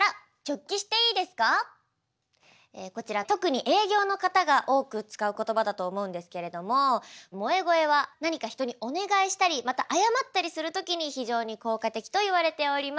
こちら特に営業の方が多く使う言葉だと思うんですけれども萌え声は何か人にお願いしたりまた謝ったりするときに非常に効果的といわれております。